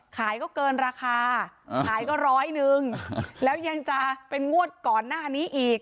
ขายก็เกินราคาขายก็ร้อยหนึ่งแล้วยังจะเป็นงวดก่อนหน้านี้อีก